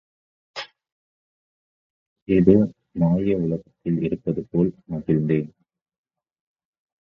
ஏதோ மாயவுலகில் இருப்பது போல் மகிழ்ந்தேன்.